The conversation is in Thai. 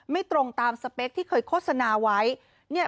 ไม่ตรงตามสเปคที่เคยโฆษณาไว้เนี่ย